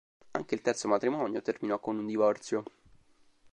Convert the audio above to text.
Anche il terzo matrimonio terminò con un divorzio.